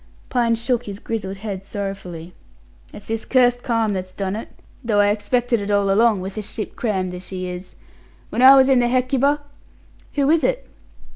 Pine shook his grizzled head sorrowfully. "It's this cursed calm that's done it; though I expected it all along, with the ship crammed as she is. When I was in the Hecuba " "Who is it?"